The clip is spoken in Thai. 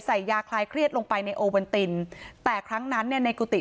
ยาคลายเครียดลงไปในโอเวนตินแต่ครั้งนั้นเนี่ยในกุฏิ